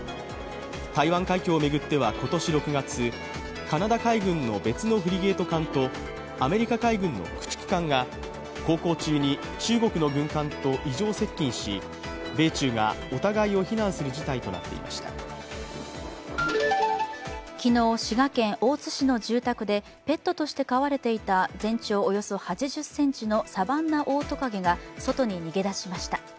台湾海峡を巡っては今年６月、カナダ海軍の別のフリゲート艦とアメリカ海軍の駆逐艦が航行中に中国の軍艦と異常接近し、米中がお互いを非難する事態となっていました昨日、滋賀県大津市の住宅でペットとして飼われていた全長およそ８０ｃｍのサバンナオオトカゲが外に逃げ出しました。